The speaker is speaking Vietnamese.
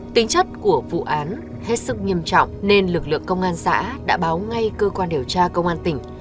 tính chất của vụ án hết sức nghiêm trọng nên lực lượng công an xã đã báo ngay cơ quan điều tra công an tỉnh